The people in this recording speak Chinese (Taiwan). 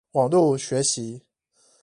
網路學習